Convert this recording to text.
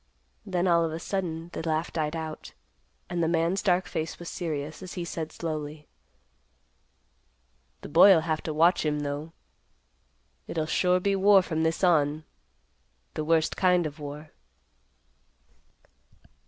Then all of a sudden the laugh died out, and the man's dark face was serious, as he said, slowly, "The boy'll have to watch him, though. It'll sure be war from this on; the worst kind of war."